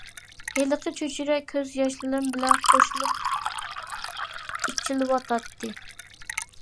ھېلىقى چۆچۈرە كۆز ياشلىرىم بىلەن قوشۇلۇپ ئىچىلىۋاتاتتى.